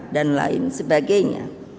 dan lain sebagainya